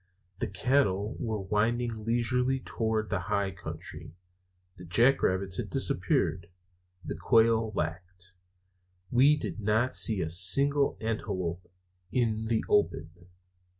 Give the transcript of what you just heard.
The cattle were winding leisurely toward the high country; the jack rabbits had disappeared; the quail lacked; we did not see a single antelope in the open.